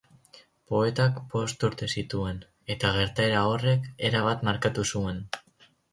Poetak bost urte zituen eta gertaera horrek erabat markatu zuen.